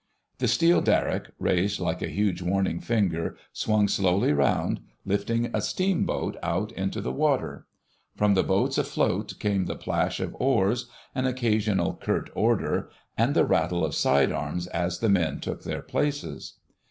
The steel derrick, raised like a huge warning finger, swung slowly round, lifting a steamboat out into the water! From the boats afloat came the plash of oars, an occasional curt order, and the rattle of sidearms as the men took their places.